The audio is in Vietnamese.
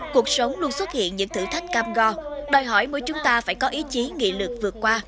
cuộc sống luôn xuất hiện những thử thách cam go đòi hỏi mỗi chúng ta phải có ý chí nghị lực vượt qua